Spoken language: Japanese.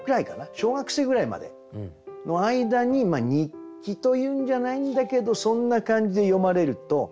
小学生ぐらいまでの間に日記というんじゃないんだけどそんな感じで詠まれるといいかなと。